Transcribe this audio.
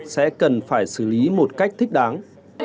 thì chúng ta có thể xử lý một cách thích đáng